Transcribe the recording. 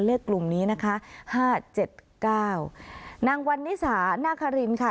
กลุ่มนี้นะคะห้าเจ็ดเก้านางวันนิสานาคารินค่ะ